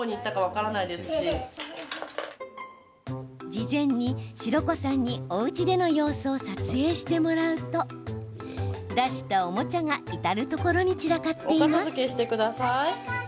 事前に、白子さんにおうちでの様子を撮影してもらうと出したおもちゃが至る所に散らかっています。